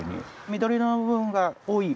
緑色の部分が多い分